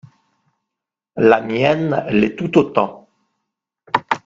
La mienne l’est tout autant.